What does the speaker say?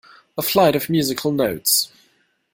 A flight of musical notes.